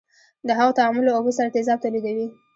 د هغو تعامل له اوبو سره تیزاب تولیدوي.